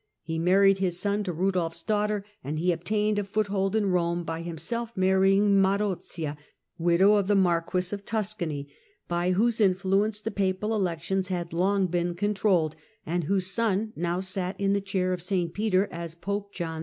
He married his son to Eudolf's daughter, and he obtained a foothold in Eome by imself marrying Marozia, widow of the Marquis of uscany, by whose influence the Papal elections had ng been controlled, and whose son now sat in the hair of St Peter as Pope John XI.